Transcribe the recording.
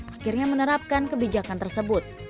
akhirnya menerapkan kebijakan tersebut